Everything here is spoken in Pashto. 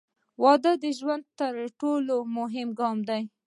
• واده د ژوند تر ټولو مهم ګام دی.